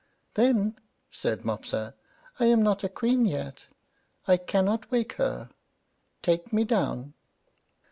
"Then," said Mopsa, "I am not a queen yet. I cannot wake her. Take me down."